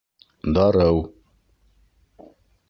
Дарыу